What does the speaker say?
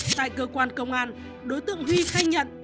tại cơ quan công an đối tượng huy khai nhận